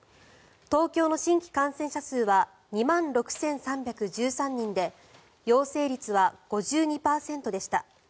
東京の新規感染者数は２万６３１３人で陽性率は５２％でした。